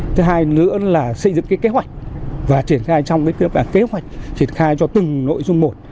thứ hai nữa là xây dựng kế hoạch và triển khai trong kế hoạch triển khai cho từng nội dung một